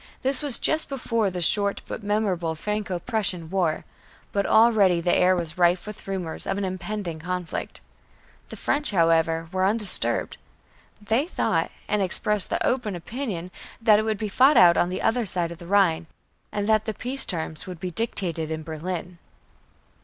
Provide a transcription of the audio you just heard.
This was just before the short but memorable Franco Prussian War, but already the air was rife with rumors of an impending conflict. The French, however, were undisturbed. They thought, and expressed the open opinion that it would be fought out on the other side of the Rhine, and that the peace terms would be dictated in Berlin.